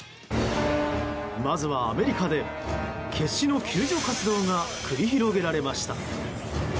まずはアメリカで決死の救助活動が繰り広げられていました。